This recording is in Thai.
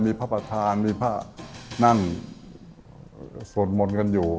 มีพระประธานมีพระนั่งสวดมนต์กันอยู่